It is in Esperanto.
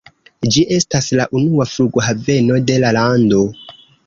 Ĝi estas la unua flughaveno de la lando.